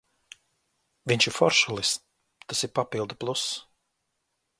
Viņš ir foršulis, tas ir papildu pluss.